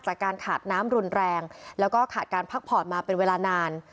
จากการขาดน้ำรุนแรงแล้วก็ขาดการพักผ่อนมาเป็นเวลานาน